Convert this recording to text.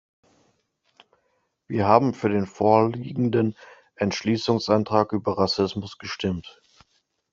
Wir haben für den vorliegenden Entschließungsantrag über Rassismus gestimmt.